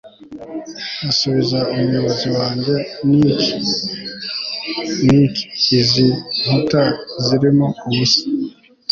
asubiza umuyobozi wanjye niki! izi nkuta zirimo ubusa